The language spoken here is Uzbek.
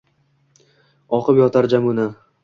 Oqib yotar Jamuna.